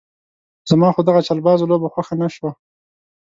زما خو دغه چلبازه لوبه خوښه نه شوه.